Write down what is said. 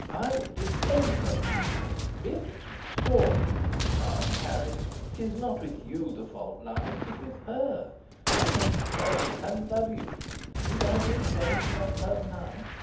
I would disdain such a meanness. Beatrix would scorn it. Ah! Henry, 'tis not with you the fault lies, 'tis with her. I know you both, and love you: need I be ashamed of that love now?